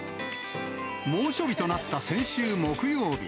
猛暑日となった先週木曜日。